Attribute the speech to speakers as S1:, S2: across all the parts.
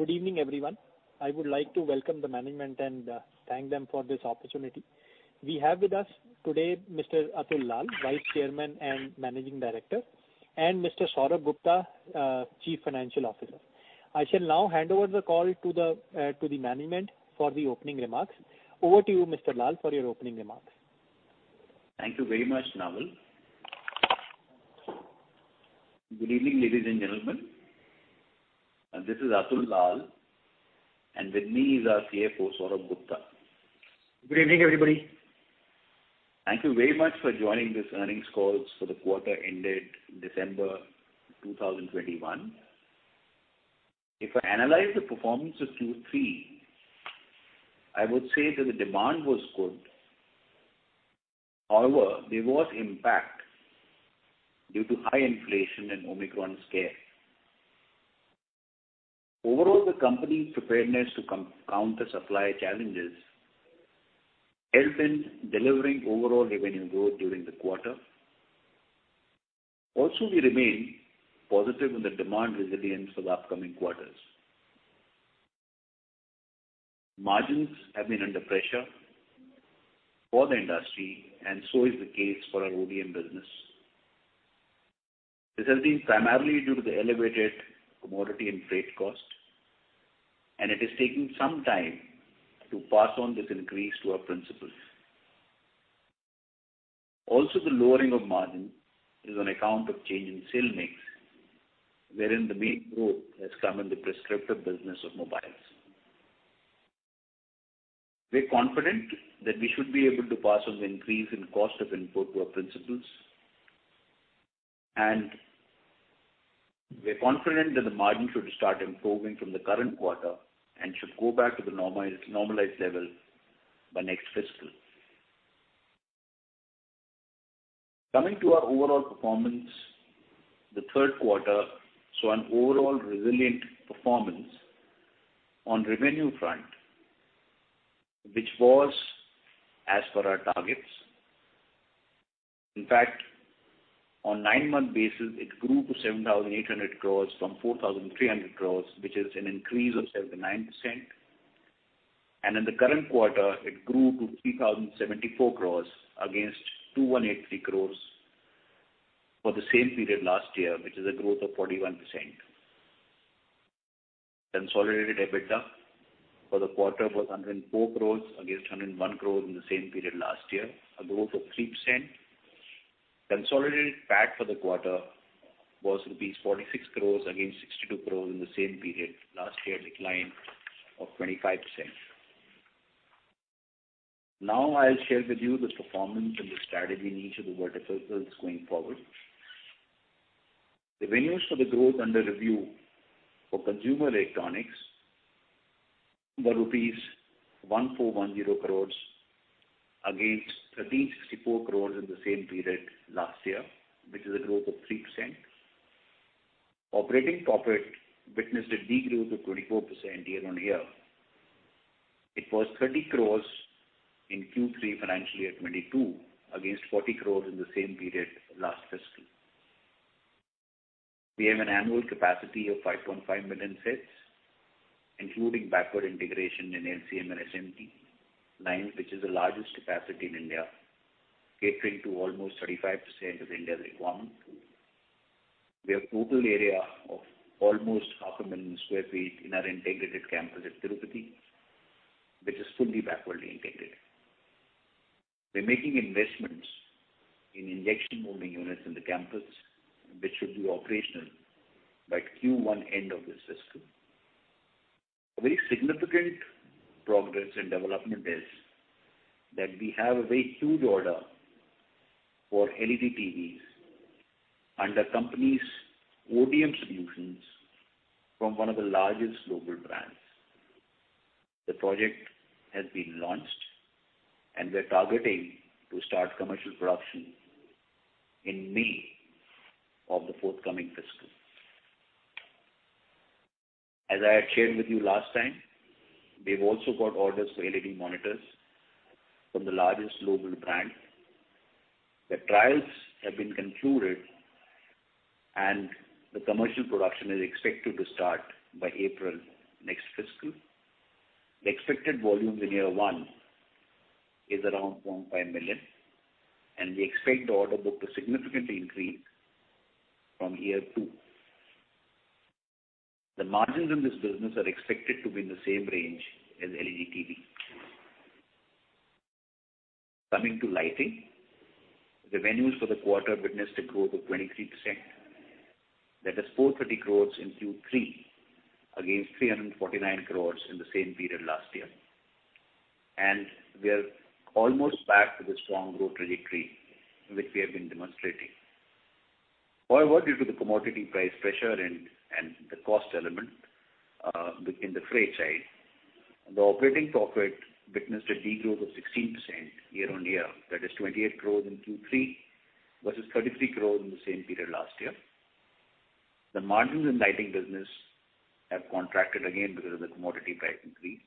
S1: Good evening, everyone. I would like to welcome the management and thank them for this opportunity. We have with us today Mr. Atul B. Lall, Vice Chairman and Managing Director, and Mr. Saurabh Gupta, Chief Financial Officer. I shall now hand over the call to the management for the opening remarks. Over to you, Mr. Lall, for your opening remarks.
S2: Thank you very much, Naval. Good evening, ladies and gentlemen. This is Atul Lal, and with me is our CFO, Saurabh Gupta.
S3: Good evening, everybody.
S2: Thank you very much for joining this earnings call for the quarter ended December 2021. If I analyse the performance of Q3, I would say that the demand was good. However, there was impact due to high inflation and Omicron scare. Overall, the company's preparedness to counter supply challenges helped in delivering overall revenue growth during the quarter. Also, we remain positive on the demand resilience for the upcoming quarters. Margins have been under pressure for the industry, and so is the case for our ODM business. This has been primarily due to the elevated commodity and freight cost, and it is taking some time to pass on this increase to our principals. Also, the lowering of margin is on account of change in sale mix, wherein the main growth has come in the prescriptive business of mobiles. We're confident that we should be able to pass on the increase in cost of input to our principals. We're confident that the margin should start improving from the current quarter and should go back to the normalized level by next fiscal. Coming to our overall performance, the Q3 saw an overall resilient performance on revenue front, which was as per our targets. In fact, on nine-month basis, it grew to 7,800 crores from 4,300 crores, which is an increase of 79%. In the current quarter, it grew to 3,074 crores against 2,183 crores for the same period last year, which is a growth of 41%. Consolidated EBITDA for the quarter was 104 crores against 101 crores in the same period last year, a growth of 3%. Consolidated PAT for the quarter was rupees 46 crore against 62 crore in the same period last year, decline of 25%. Now I'll share with you the performance and the strategy in each of the verticals going forward. The revenues for the growth under review for consumer electronics were rupees 1,410 crore against 1,364 crore in the same period last year, which is a growth of 3%. Operating profit witnessed a degrowth of 24% year on year. It was 30 crore in Q3 FY 2022 against 40 crore in the same period last fiscal. We have an annual capacity of 5.5 million sets, including backward integration in LCM and SMD lines, which is the largest capacity in India, catering to almost 35% of India's requirement. We have total area of almost 500,000 sq ft in our integrated campus at Tirupati, which is fully backwardly integrated. We're making investments in injection molding units in the campus, which should be operational by Q1 end of this fiscal. A very significant progress and development is that we have a very huge order for LED TVs under company's ODM solutions from one of the largest global brands. The project has been launched, and we're targeting to start commercial production in May of the forthcoming fiscal. As I had shared with you last time, we've also got orders for LED monitors from the largest global brand. The trials have been concluded, and the commercial production is expected to start by April next fiscal. The expected volume in year one is around 0.5 million, and we expect the order book to significantly increase from year two. The margins in this business are expected to be in the same range as LED TV. Coming to lighting, the revenues for the quarter witnessed a growth of 23%. That is 430 crore in Q3 against 349 crore in the same period last year. We are almost back to the strong growth trajectory which we have been demonstrating. However, due to the commodity price pressure and the cost element within the freight side, the operating profit witnessed a degrowth of 16% year-on-year. That is 28 crore in Q3 versus 33 crore in the same period last year. The margins in lighting business have contracted again because of the commodity price increase.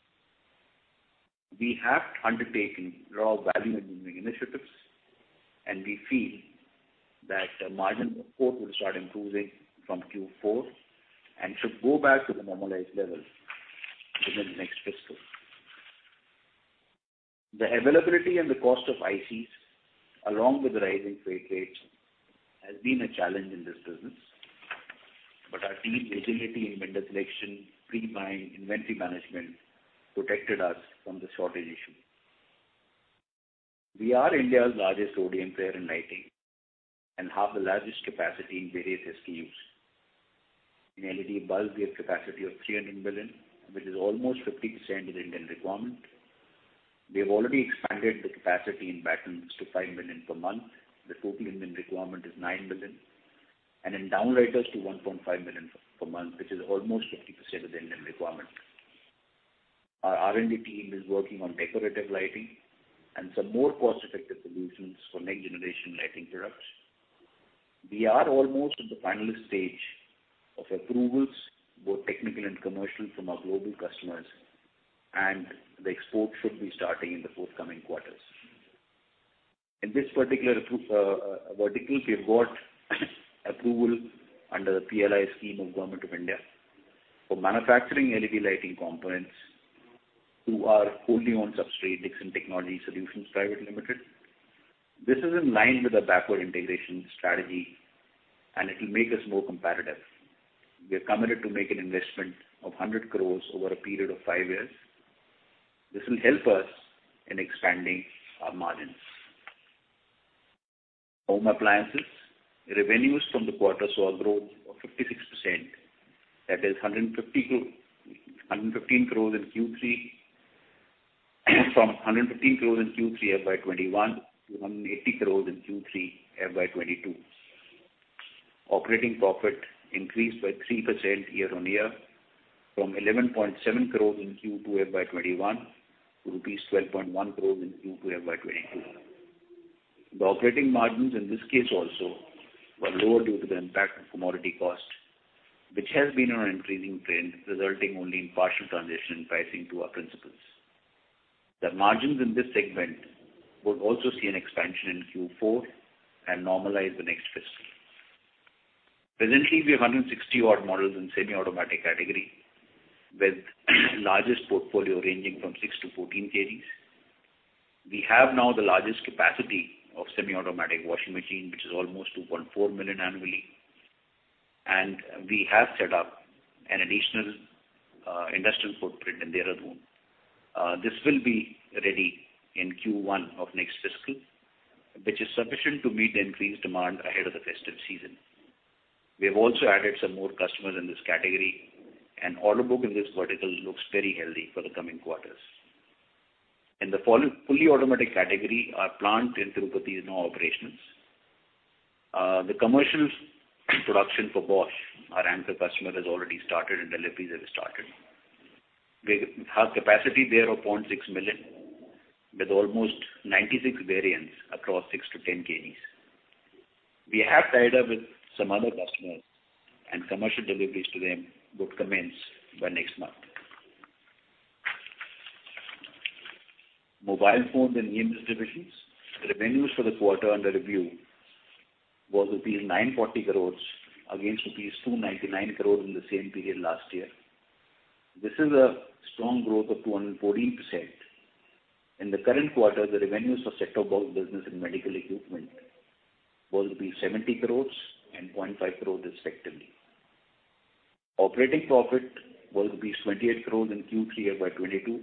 S2: We have undertaken raw value-adding initiatives, and we feel that the margin report will start improving from Q4 and should go back to the normalized level within the next fiscal. The availability and the cost of ICs, along with the rising freight rates, has been a challenge in this business. Our team's agility in vendor selection, pre-buying inventory management protected us from the shortage issue. We are India's largest ODM player in lighting and have the largest capacity in various SKUs. In LED bulb, we have capacity of 300 million, which is almost 50% of the Indian requirement. We have already expanded the capacity in battens to 5 million per month. The total Indian requirement is 9 million, and in downlighters to 1.5 million per month, which is almost 50% of the Indian requirement. Our R&D team is working on decorative lighting and some more cost-effective solutions for next-generation lighting products. We are almost at the final stage of approvals, both technical and commercial, from our global customers, and the export should be starting in the forthcoming quarters. In this particular vertical, we have got approval under the PLI scheme of Government of India for manufacturing LED lighting components to our wholly-owned subsidiary, Dixon Technologies Solutions Private Limited. This is in line with the backward integration strategy, and it will make us more competitive. We are committed to make an investment of 100 crores over a period of 5 years. This will help us in expanding our margins. Home appliances. Revenue growth of 56%. That is from 115 crores in Q3 FY 2021 to 180 crores in Q3 FY 2022. Operating profit increased by 3% year-on-year from 11.7 crores in Q2 FY 2021 to INR 12.1 crores in Q2 FY 2022. The operating margins in this case also were lower due to the impact of commodity cost, which has been on an increasing trend, resulting only in partial transition in pricing to our principals. The margins in this segment would also see an expansion in Q4 and normalize the next fiscal. Presently, we have 160-watt models in semi-automatic category with largest portfolio ranging from six to 14 kg. We have now the largest capacity of semi-automatic washing machine, which is almost 2.4 million annually. We have set up an additional industrial footprint in Dehradun. This will be ready in Q1 of next fiscal, which is sufficient to meet the increased demand ahead of the festive season. We have also added some more customers in this category, and order book in this vertical looks very healthy for the coming quarters. In the fully automatic category, our plant in Tirupati is now operational. The commercial production for Bosch, our anchor customer, has already started, and deliveries have started. We have capacity there of 0.6 million with almost 96 variants across six to 10 kg. We have tied up with some other customers, and commercial deliveries to them would commence by next month. Mobile phones and OEM distributions. Revenues for the quarter under review was rupees 940 crore against rupees 299 crore in the same period last year. This is a strong growth of 214%. In the current quarter, the revenues for set-top box business and medical equipment was 70 crore and 0.5 crore respectively. Operating profit was 28 crore in Q3 FY 2022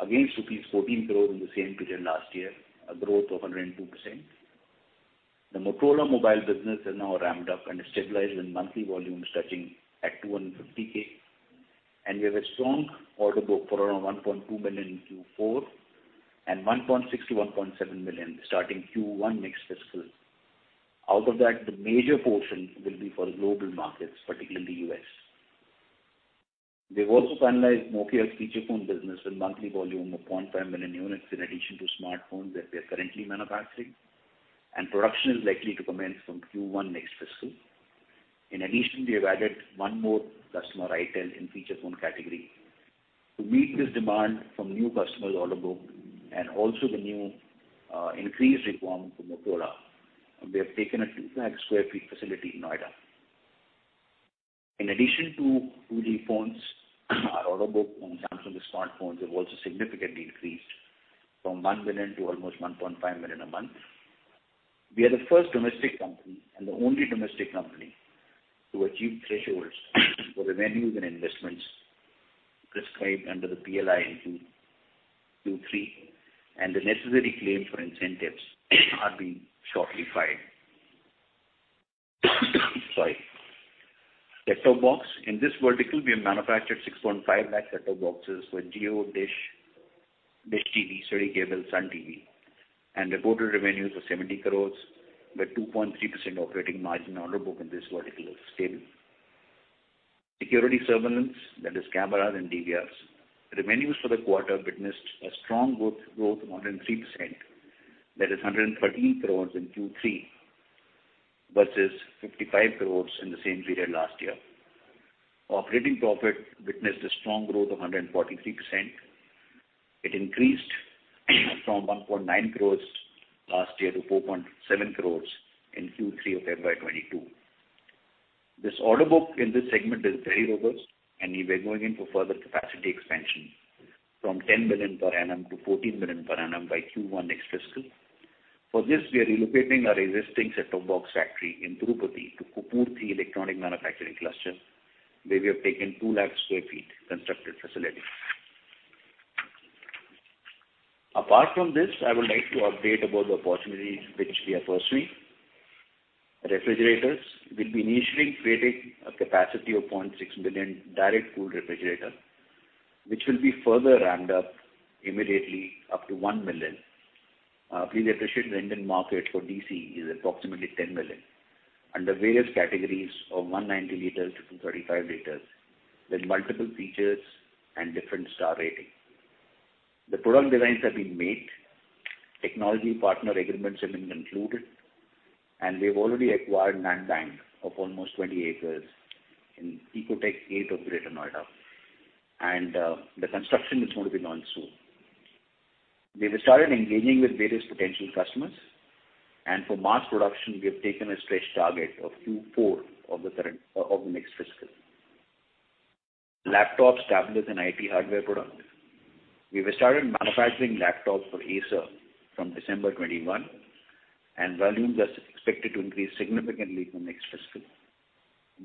S2: against rupees 14 crore in the same period last year, a growth of 102%. The Motorola mobile business is now ramped up and is stabilized in monthly volumes touching 250k. We have a strong order book for around 1.2 million in Q4 and 1.6 to 1.7 million starting Q1 next fiscal. Out of that, the major portion will be for global markets, particularly U.S. We've also finalized Nokia's feature phone business with monthly volume of 0.5 million units in addition to smartphones that we are currently manufacturing, and production is likely to commence from Q1 next fiscal. In addition, we have added one more customer, itel, in feature phone category. To meet this demand from new customers' order book and also the new, increased requirement for Motorola, we have taken a 200,000 sq ft facility in Noida. In addition to 2G phones, our order book on Samsung smartphones have also significantly increased from 1 million to almost 1.5 million a month. We are the first domestic company, and the only domestic company, to achieve thresholds for revenues and investments prescribed under the PLI in 22 to 23, and the necessary claims for incentives are being shortly filed. Sorry. Set-top box. In this vertical, we have manufactured 6.5 lakh set-top boxes for Jio, Dish TV, SITI Cable, Sun TV. Reported revenues were 70 crore, with 2.3% operating margin. Order book in this vertical is stable. Security surveillance, that is cameras and DVRs. Revenues for the quarter witnessed a strong growth of 103%. That is 113 crore in Q3 versus 55 crore in the same period last year. Operating profit witnessed a strong growth of 143%. It increased from 1.9 crore last year to 4.7 crore in Q3 of FY 2022. This order book in this segment is very robust, and we're going in for further capacity expansion from 10 million per annum to 14 million per annum by Q1 next fiscal. For this, we are relocating our existing set-top box factory in Tirupati to Kopparthi Electronic Manufacturing Cluster, where we have taken 200,000 sq ft constructed facility. Apart from this, I would like to update about the opportunities which we are pursuing. Refrigerators, we'll be initially creating a capacity of 0.6 million direct cool refrigerator, which will be further ramped up immediately up to 1 million. Please appreciate the Indian market for DC is approximately 10 million under various categories of 190 litres to 235 litres with multiple features and different star rating. The product designs have been made, technology partner agreements have been concluded, and we've already acquired land bank of almost 20 acres in Ecotech VIII of Greater Noida. The construction is going to be launched soon. We have started engaging with various potential customers, and for mass production, we have taken a stretch target of Q4 of the next fiscal. Laptops, tablets, and IT hardware products. We have started manufacturing laptops for Acer from December 2021, and volumes are expected to increase significantly from next fiscal.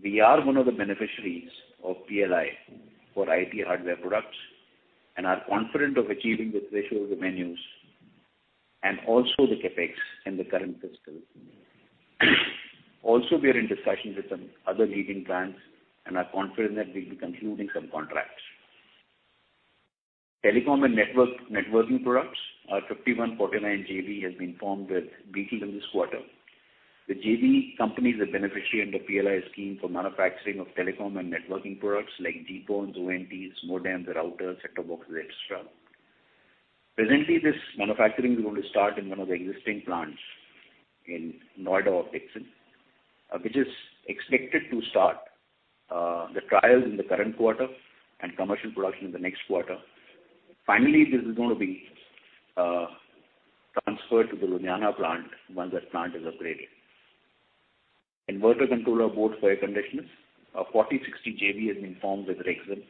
S2: We are one of the beneficiaries of PLI for IT hardware products and are confident of achieving the threshold revenues and also the CapEx in the current fiscal. We are in discussions with some other leading brands and are confident that we'll be concluding some contracts. Telecom and networking products. Our 51 to 49 JV has been formed with Beetel in this quarter. The JV company is a beneficiary in the PLI scheme for manufacturing of telecom and networking products like GPONs, ONTs, modems, routers, set-top boxes, etc. Presently, this manufacturing is going to start in one of the existing plants in Noida of Dixon, which is expected to start the trials in the current quarter and commercial production in the next quarter. Finally, this is gonna be transferred to the Ludhiana plant once that plant is upgraded. Inverter controller boards for air conditioners. A 40 to 60 JV has been formed with Rexxam,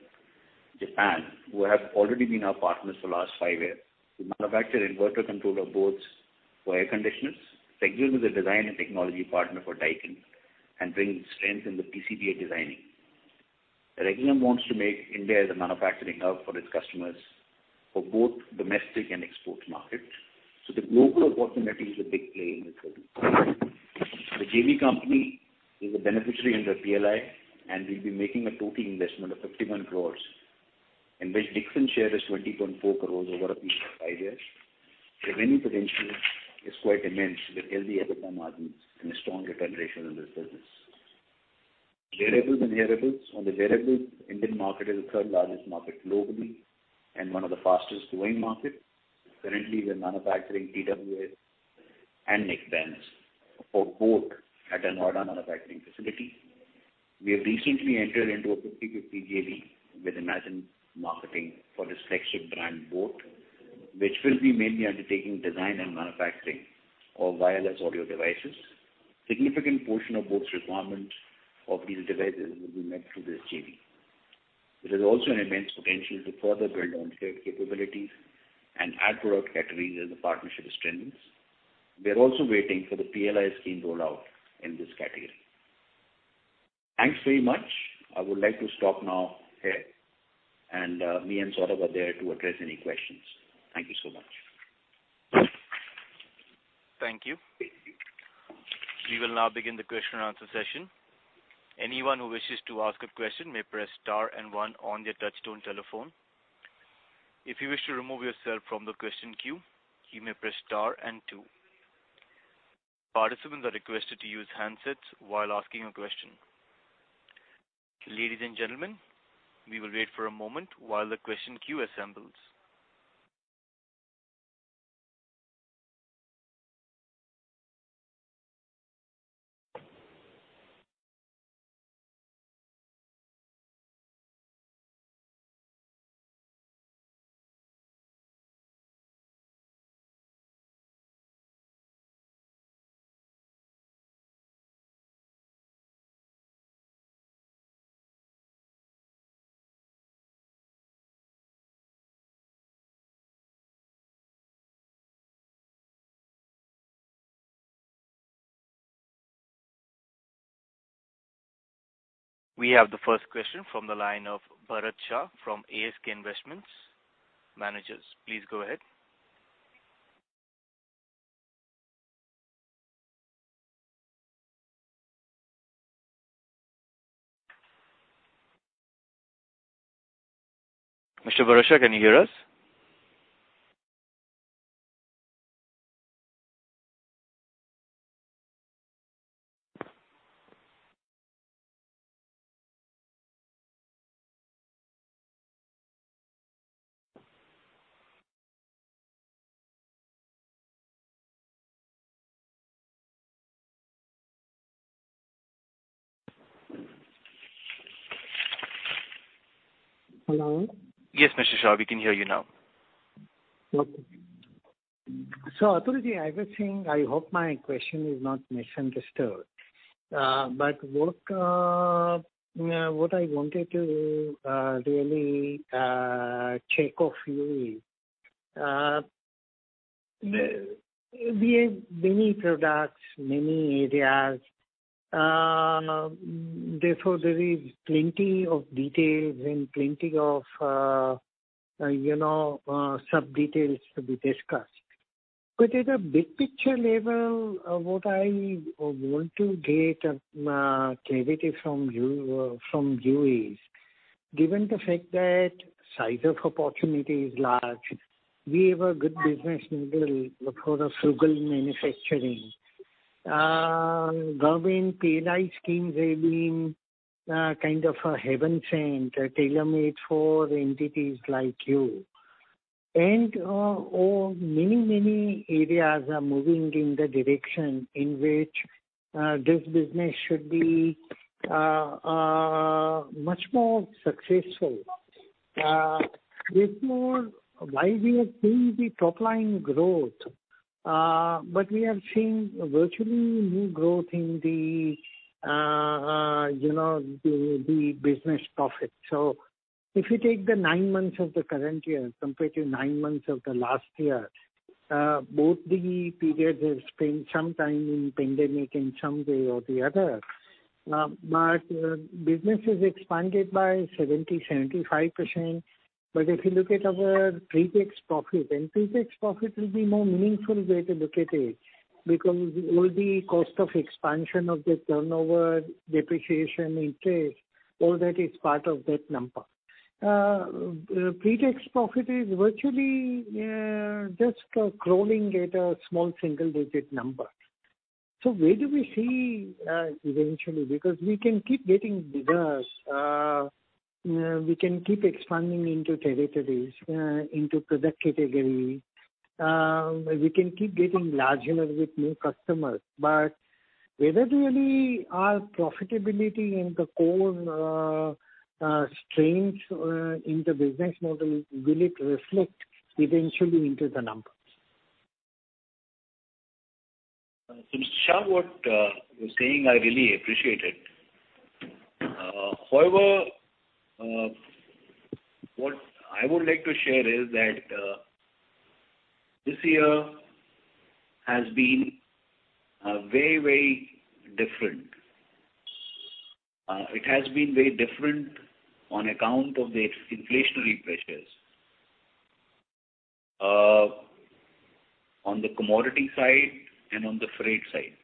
S2: Japan, who have already been our partners for last fiv years. We manufacture inverter controller boards for air conditioners. Rexxam is a design and technology partner for Daikin and brings strength in the PCBA designing. Rexxam wants to make India a manufacturing hub for its customers for both domestic and export markets, so the global opportunity is a big play in this business. The JV company is a beneficiary under PLI, and we'll be making a total investment of 51 crore, in which Dixon share is 20.4 crore over a period of five years. Revenue potential is quite immense with healthy EBITDA margins and a strong return ratio in this business. Wearables and hearables. On the wearables, Indian market is the 3rd largest market globally and one of the fastest growing market. Currently, we are manufacturing TWS and neckbands for boAt at our Noida manufacturing facility. We have recently entered into a 50/50 JV with Imagine Marketing for its flagship brand boAt, which will be mainly undertaking design and manufacturing of wireless audio devices. Significant portion of boAt's requirement of these devices will be met through this JV. It is also an immense potential to further build on capabilities and add product categories as the partnership strengthens. We are also waiting for the PLI scheme rollout in this category. Thanks very much. I would like to stop now here. Me and Saurabh are there to address any questions. Thank you so much.
S1: Thank you. We will now begin the question and answer session. Anyone who wishes to ask a question may press star and one on their touchtone telephone. If you wish to remove yourself from the question queue, you may press star and two. Participants are requested to use handsets while asking a question. Ladies and gentlemen, we will wait for a moment while the question queue assembles. We have the first question from the line of Bharat Shah from ASK Investment Managers, please go ahead. Mr. Bharat Shah, can you hear us?
S4: Hello?
S2: Yes, Mr. Shah, we can hear you now.
S4: Okay. Atul, I was saying I hope my question is not misunderstood. What I wanted to really check off you is, we have many products, many areas, therefore there is plenty of details and plenty of, you know, sub-details to be discussed. At a big picture level, what I want to get clarity from you is, given the fact that size of opportunity is large, we have a good business model for the frugal manufacturing. Government PLI schemes have been kind of a heaven-sent tailor-made for entities like you. Many areas are moving in the direction in which this business should be much more successful. Moreover, while we have seen the top line growth, but we have seen virtually no growth in the, you know, the business profit. If you take the nine months of the current year compared to nine months of the last year, both the periods have spent some time in pandemic in some way or the other. Business has expanded by 70% to 75%. If you look at our pre-tax profit, and pre-tax profit will be more meaningful way to look at it because all the cost of expansion of the turnover, depreciation, interest, all that is part of that number. Pre-tax profit is virtually just crawling at a small single-digit number. Where do we see eventually? Because we can keep getting bigger, we can keep expanding into territories, into product category, we can keep getting larger with new customers. But whether really our profitability and the core, strengths, in the business model, will it reflect eventually into the numbers?
S2: Mr. Shah, what you're saying, I really appreciate it. However, what I would like to share is that this year has been very very different. It has been very different on account of the inflationary pressures on the commodity side and on the freight side.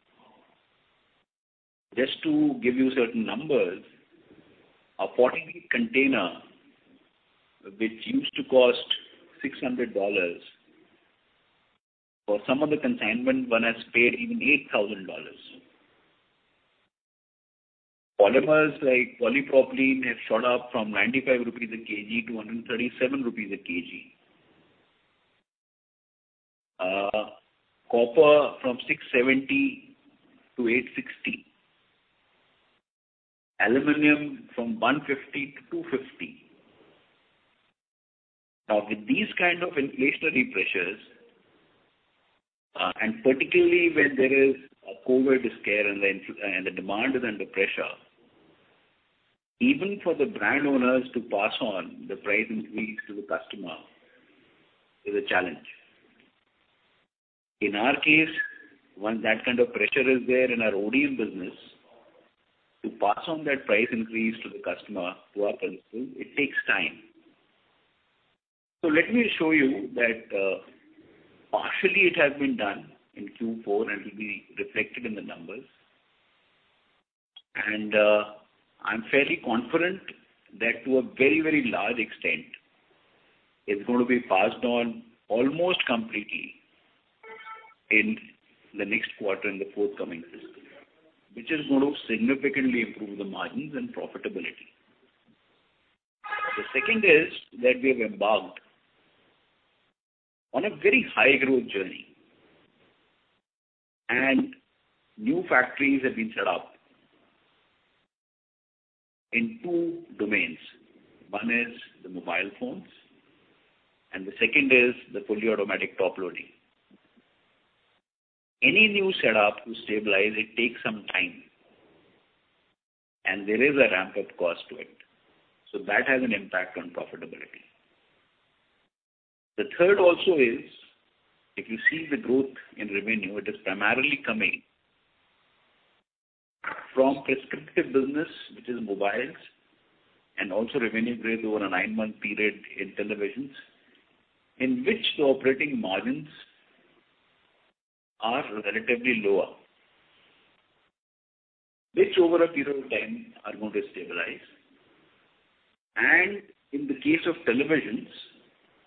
S2: Just to give you certain numbers, a 40 container which used to cost $600, for some of the consignment one has paid even $8,000. Polymers like polypropylene have shot up from 95 rupees a kg to 137 rupees a kg. Copper from 670 to 860. Aluminum from 150 to 250. Now, with these kind of inflationary pressures, and particularly when there is a COVID scare and the demand is under pressure, even for the brand owners to pass on the price increase to the customer is a challenge. In our case, when that kind of pressure is there in our ODM business, to pass on that price increase to the customer, to our principles, it takes time. Let me assure you that, partially it has been done in Q4 and will be reflected in the numbers. I'm fairly confident that to a very, very large extent, it's going to be passed on almost completely in the next quarter, in the forthcoming fiscal, which is going to significantly improve the margins and profitability. The second is that we have embarked on a very high growth journey, and new factories have been set up in two domains. One is the mobile phones, and the second is the fully automatic top loading. Any new set up to stabilize, it takes some time, and there is a ramp-up cost to it. That has an impact on profitability. The third also is if you see the growth in revenue, it is primarily coming from prescriptive business, which is mobiles and also revenue growth over a nine-month period in televisions, in which the operating margins are relatively lower, which over a period of time are going to stabilize. In the case of televisions,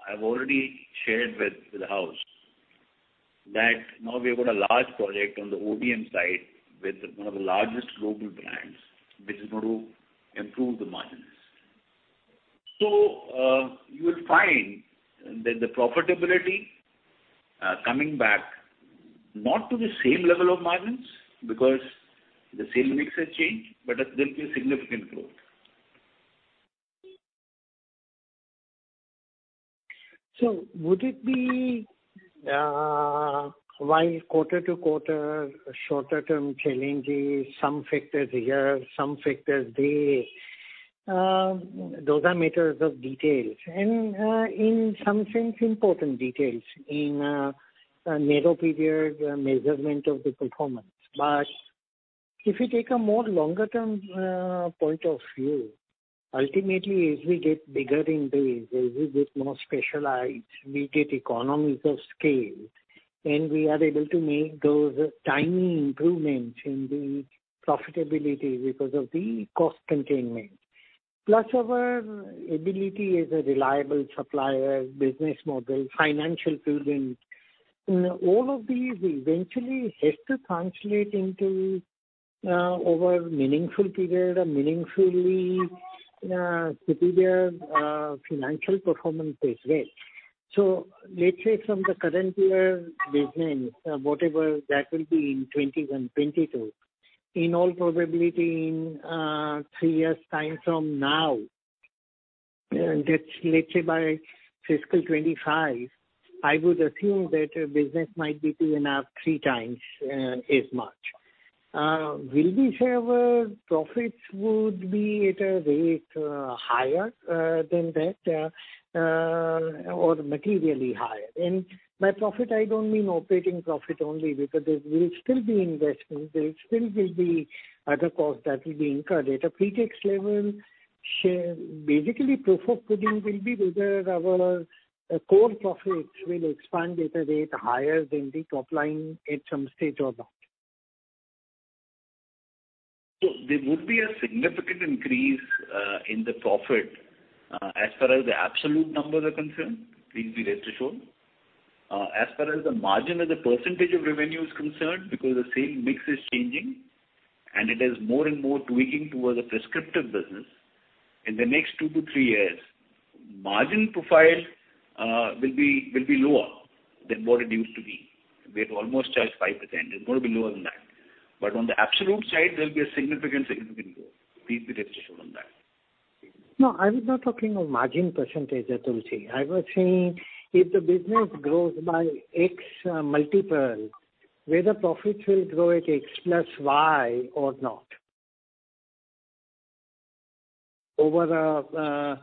S2: I've already shared with the house that now we've got a large project on the ODM side with one of the largest global brands which is going to improve the margins. So, you will find that the profitability coming back not to the same level of margins because the sales mix has changed, but there'll be a significant growth.
S4: Would it be while quarter-to-quarter shorter-term challenges, some factors here, some factors there, those are matters of details and, in some sense, important details in a narrow period measurement of the performance. If you take a more longer-term point of view, ultimately, as we get bigger in this, as we get more specialized, we get economies of scale, and we are able to make those tiny improvements in the profitability because of the cost containment. Plus our ability as a reliable supplier, business model, financial footprint, all of these eventually has to translate into over meaningful period, a meaningfully superior financial performance as well. Let's say from the current year business, whatever that will be in 2020 and 2022, in all probability in three years' time from now, that's let's say by FY 2025, I would assume that business might be 2.5 to three times as much. Will we say our profits would be at a rate higher than that or materially higher? And by profit, I don't mean operating profit only because there will still be investments, there still will be other costs that will be incurred at a pretax level. Basically, proof of the pudding will be whether our core profits will expand at a rate higher than the top line at some stage or not.
S2: There would be a significant increase in the profit. As far as the absolute numbers are concerned, please be rest assured. As far as the margin as a percentage of revenue is concerned, because the sales mix is changing and it is more and more tweaking towards the prescriptive business, in the next two to three years, margin profile will be lower than what it used to be. We had almost touched 5%. It's going to be lower than that. On the absolute side, there'll be a significant growth. Please be rest assured on that.
S4: No, I was not talking of margin percentage, Atul sir. I was saying if the business grows by X multiple, whether profits will grow at X plus Y or not over a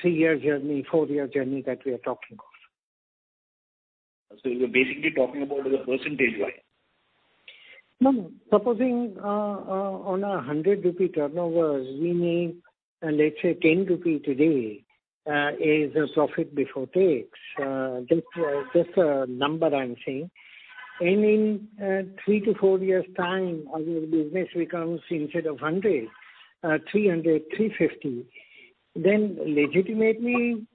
S4: three-year journey, four-year journey that we are talking of.
S2: You're basically talking about the percentage-wise?
S4: No. Supposing on 100 rupee turnover, we make, let's say, 10 rupee today is the profit before tax. Just a number I'm saying. In three to four years' time, our business becomes instead of 100, 300, 350, then legitimately,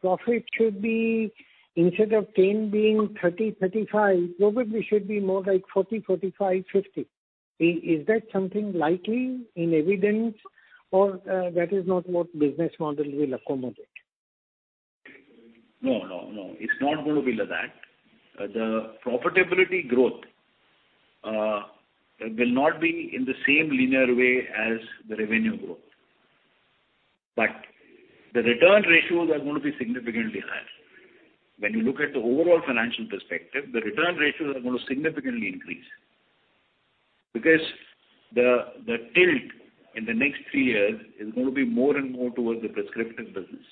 S4: profit should be instead of 10 being 30, 35, probably should be more like 40, 45, 50. Is that something likely in evidence or that is not what business model will accommodate?
S2: No, no. It's not going to be like that. The profitability growth will not be in the same linear way as the revenue growth. The return ratios are going to be significantly higher. When you look at the overall financial perspective, the return ratios are going to significantly increase. Because the tilt in the next three years is going to be more and more towards the prescriptive business.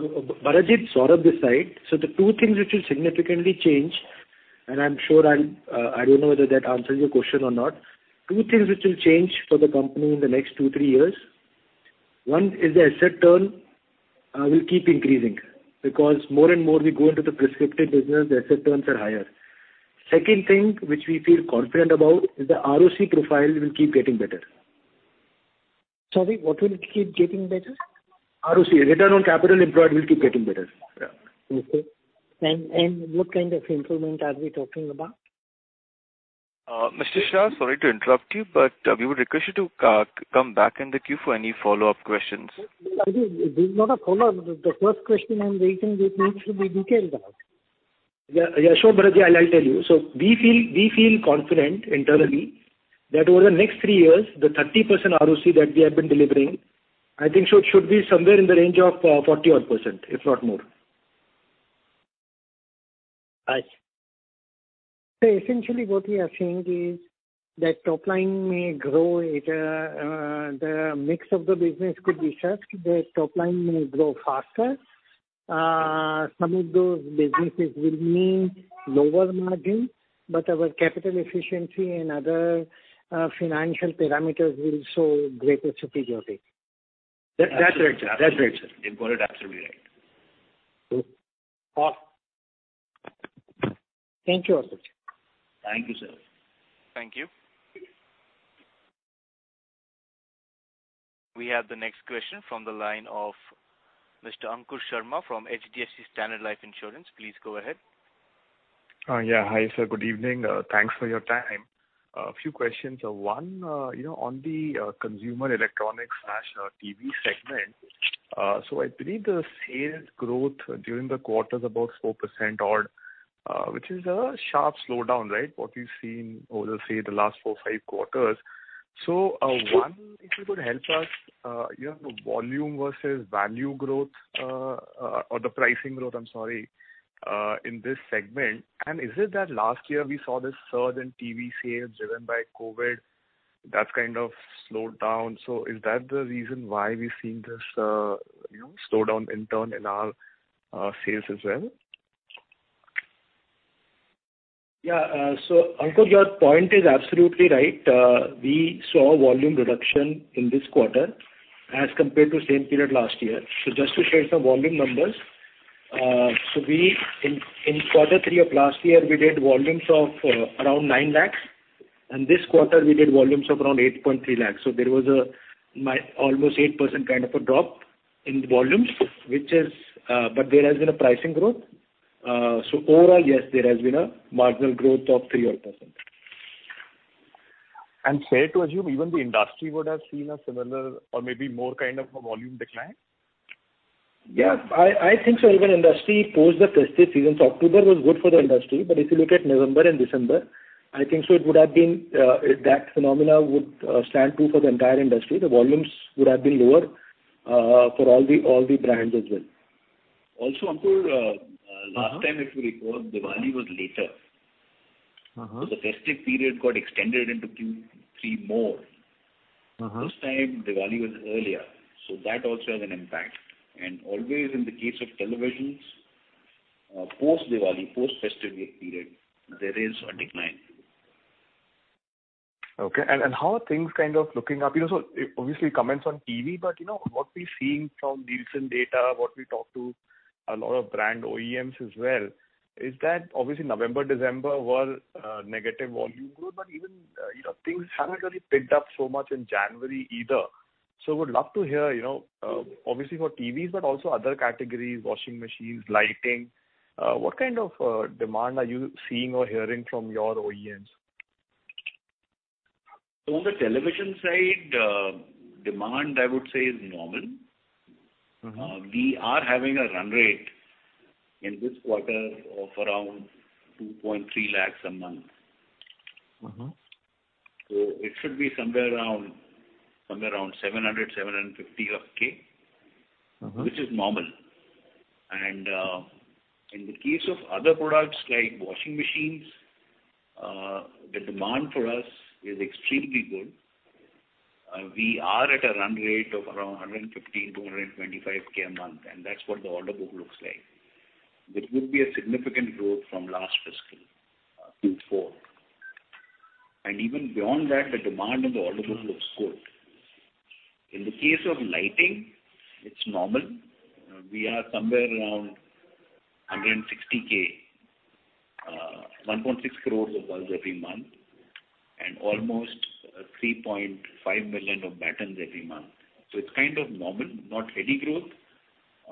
S3: Bharat ji, Saurabh this side. The two things which will significantly change, and I'm sure I'll, I don't know whether that answers your question or not. Two things which will change for the company in the next two top three years. One is the asset turn will keep increasing because more and more we go into the prescriptive business, the asset turns are higher. Second thing which we feel confident about is the ROC profile will keep getting better.
S4: Sorry, what will keep getting better?
S3: ROC, return on capital employed will keep getting better. Yeah.
S4: Okay. What kind of improvement are we talking about?
S1: Mr. Shah, sorry to interrupt you, but we would request you to come back in the queue for any follow-up questions.
S4: Bharat ji, this is not a follow-up. The first question I'm raising, it needs to be detailed out.
S3: Yeah, yeah, sure, Bharat ji. I'll tell you. We feel confident internally that over the next three years, the 30% ROC that we have been delivering, I think should be somewhere in the range of 40-odd%, if not more.
S4: Right. Essentially what we are saying is that top line may grow. The mix of the business could be such that top line may grow faster. Some of those businesses will mean lower margin, but our capital efficiency and other financial parameters will show greater superiority.
S3: That's right, sir.
S2: You got it absolutely right.
S4: Good. Awesome. Thank you, Atul sir.
S2: Thank you, sir.
S1: Thank you. We have the next question from the line of Mr. Ankur Sharma from HDFC Standard Life Insurance. Please go ahead.
S5: Yeah. Hi, sir. Good evening. Thanks for your time. A few questions. One, you know, on the consumer electronics/TV segment. I believe the sales growth during the quarter is about 4% odd, which is a sharp slowdown, right? What we've seen over, say, the last four, five quarters. Sure. One, if you could help us, you know, volume versus value growth, or the pricing growth, I'm sorry, in this segment. Is it that last year we saw this surge in TV sales driven by COVID that's kind of slowed down? Is that the reason why we're seeing this, you know, slowdown in turnover in our sales as well?
S2: Yeah. So Ankur, your point is absolutely right. We saw volume reduction in this quarter as compared to same period last year. Just to share some volume numbers. In quarter three of last year, we did volumes of around 9 lakhs, and this quarter we did volumes of around 8.3 lakhs. There was almost 8% kind of a drop in volumes, which is, but there has been a pricing growth. Overall, yes, there has been a marginal growth of three odd percent.
S5: Fair to assume even the industry would have seen a similar or maybe more kind of a volume decline.
S2: Yeah, I think so. Even the industry post the festive season. October was good for the industry. If you look at November and December, I think so it would have been that phenomena would stand true for the entire industry. The volumes would have been lower for all the brands as well. Ankur Mm-hmm.
S5: Last time, if you recall, Diwali was later.
S2: Mm-hmm.
S5: The festive period got extended into Q3 more.
S2: Mm-hmm.
S5: This time Diwali was earlier, so that also has an impact. Always in the case of televisions, post-Diwali, post-festive period, there is a decline. Okay. How are things kind of looking up? You know, obviously comments on TV, but you know what we're seeing from deals and data, what we talk to a lot of brand OEMs as well is that obviously November, December were negative volume growth. Even, you know, things haven't really picked up so much in January either. Would love to hear, you know, obviously for TVs, but also other categories, washing machines, lighting. What kind of demand are you seeing or hearing from your OEMs?
S2: On the television side, demand I would say is normal.
S5: Mm-hmm.
S2: We are having a run rate in this quarter of around 2.3 lakhs a month.
S5: Mm-hmm.
S2: It should be somewhere around 700 to 750K.
S5: Mm-hmm.
S2: Which is normal. In the case of other products like washing machines, the demand for us is extremely good. We are at a run rate of around 115 to 125K a month, and that's what the order book looks like. Which would be a significant growth from last fiscal Q4. Even beyond that, the demand in the order book looks good. In the case of lighting, it's normal. We are somewhere around 160K, 1.6 crores of bulbs every month and almost 3.5 million of battens every month. It's kind of normal, not heady growth.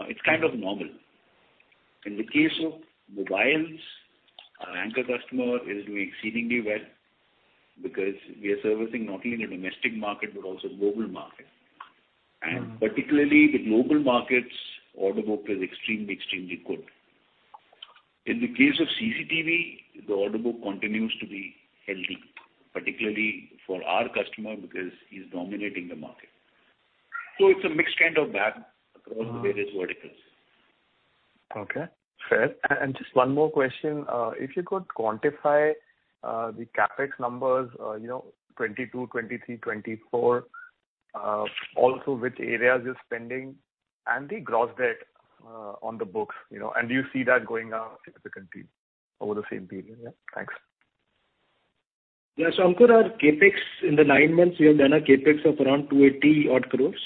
S2: It's kind of normal. In the case of mobiles, our anchor customer is doing exceedingly well because we are servicing not only the domestic market but also global market.
S5: Mm-hmm.
S2: Particularly the global markets order book is extremely good. In the case of CCTV, the order book continues to be healthy, particularly for our customer because he's dominating the market. It's a mixed kind of bag.
S5: Mm-hmm.
S2: Across the various verticals.
S5: Okay, fair. Just one more question. If you could quantify the CapEx numbers, you know, 2022, 2023, 2024. Also which areas you're spending and the gross debt on the books, you know, and do you see that going up significantly over the same period? Yeah. Thanks.
S2: Yeah. Ankur Sharma, our CapEx in the nine months we have done a CapEx of around 280 odd crores.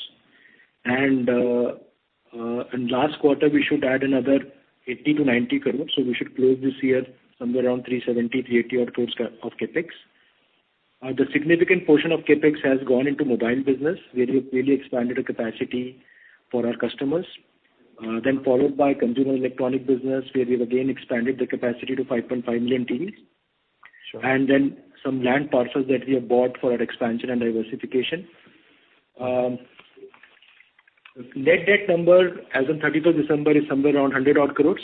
S2: In last quarter, we should add another 80-90 crores. We should close this year somewhere around 370-380 odd crores of CapEx. The significant portion of CapEx has gone into mobile business, where we've really expanded the capacity for our customers. Then followed by consumer electronics business, where we have again expanded the capacity to 5.5 million TVs.
S5: Sure.
S2: Some land parcels that we have bought for our expansion and diversification. Net debt number as on 31st December is somewhere around 100 odd crores.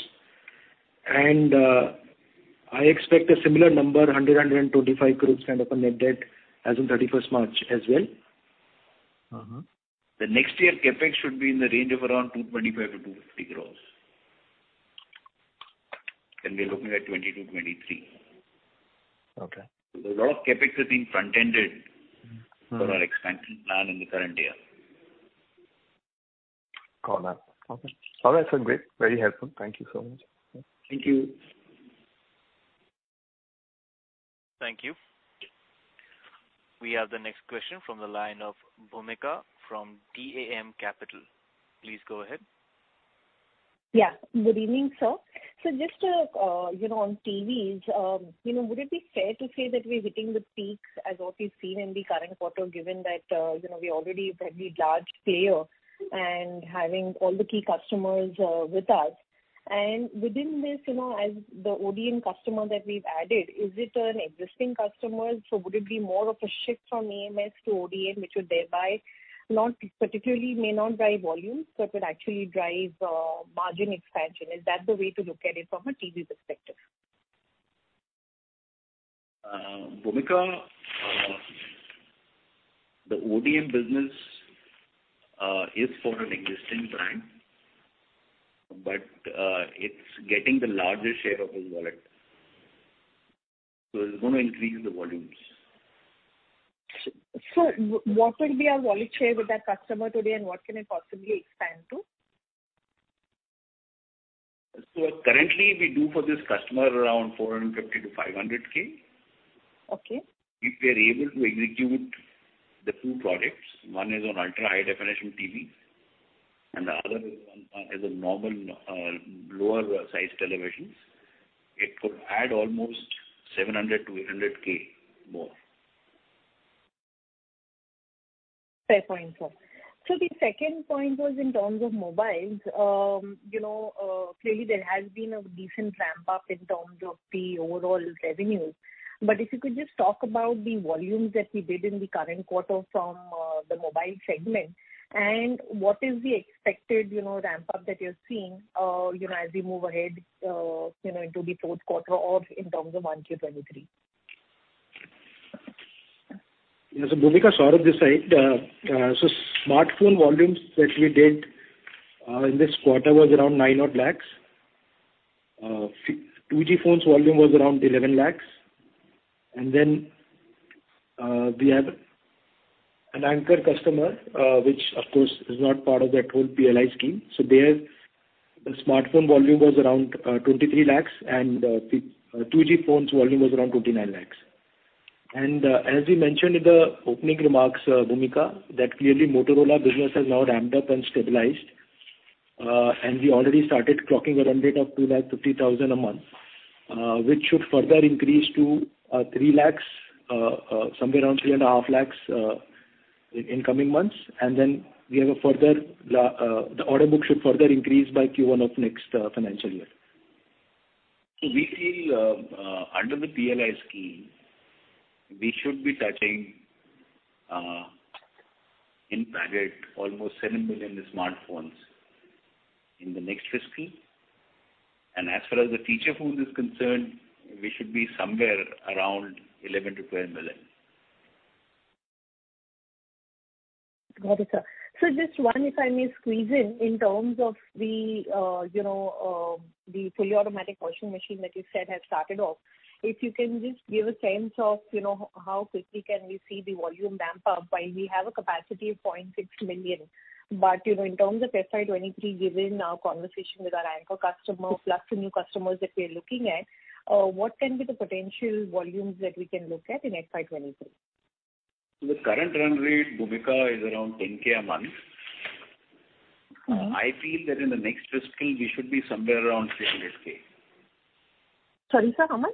S2: I expect a similar number, 125 crores kind of a net debt as on 31st March as well.
S5: Mm-hmm.
S2: The next year CapEx should be in the range of around 225 crores-250 crores. We are looking at 2022, 2023.
S5: Okay.
S2: A lot of CapEx is being front-ended.
S5: Mm.
S2: For our expansion plan in the current year.
S5: Got that. Okay. All right, sir. Great. Very helpful. Thank you so much.
S2: Thank you.
S1: Thank you. We have the next question from the line of Bhoomika from DAM Capital. Please go ahead.
S6: Yeah. Good evening, sir. Just, you know, on TVs, you know, would it be fair to say that we're hitting the peak as what we've seen in the current quarter, given that, you know, we're already a very large player and having all the key customers, with us? Within this, you know, as the ODM customer that we've added, is it an existing customer? Would it be more of a shift from EMS to ODM, which would thereby not particularly may not drive volume, but it actually drives, margin expansion? Is that the way to look at it from a TV perspective?
S2: Bhumika, the ODM business is for an existing brand, but it's getting the largest share of his wallet, so it's gonna increase the volumes.
S6: What will be our wallet share with that customer today, and what can it possibly expand to?
S2: Currently we do for this customer around 450,000 to 500,000.
S6: Okay.
S2: If we are able to execute the two products, one is on ultra-high definition TV and the other one is a normal lower size televisions, it could add almost 700,000 to 800,000 more.
S6: Fair point, sir. The second point was in terms of mobiles. You know, clearly there has been a decent ramp-up in terms of the overall revenues. If you could just talk about the volumes that we did in the current quarter from the mobile segment and what is the expected, you know, ramp-up that you're seeing, you know, as we move ahead, you know, into the Q4 or in terms of 1Q 2023.
S3: Yes. Bhumika, Saurabh this side. Smartphone volumes that we did in this quarter was around 9 odd lakhs. 2G phones volume was around 11 lakhs. We have an anchor customer, which of course is not part of that whole PLI scheme. There the smartphone volume was around 23 lakhs, and the 2G phones volume was around 29 lakhs. As we mentioned in the opening remarks, Bhumika, that clearly Motorola business has now ramped up and stabilized. We already started clocking a run rate of 2.5 lakh a month, which should further increase to 3 lakhs, somewhere around 3.5 lakhs, in coming months. The order book should further increase by Q1 of next financial year.
S2: We feel under the PLI scheme, we should be touching in bracket almost 7 million smartphones in the next fiscal. As far as the feature phone is concerned, we should be somewhere around 11 to 12 million.
S6: Got it, sir. Just one, if I may squeeze in. In terms of the you know the fully automatic washing machine that you said has started off. If you can just give a sense of you know how quickly can we see the volume ramp up while we have a capacity of 0.6 million. You know in terms of FY 2023, given our conversation with our anchor customer plus the new customers that we are looking at, what can be the potential volumes that we can look at in FY 2023?
S2: The current run rate, Bhoomika, is around 10,000 a month.
S6: Mm-hmm.
S2: I feel that in the next fiscal we should be somewhere around 300,000.
S6: Sorry, sir. How much?